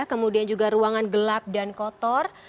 kemudian juga ruangan gelap dan kotor